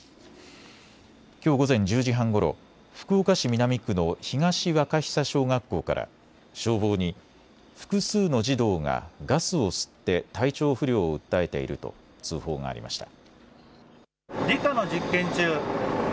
きょう午前１０時半ごろ福岡市南区の東若久小学校から消防に複数の児童がガスを吸って体調不良を訴えていると通報がありました。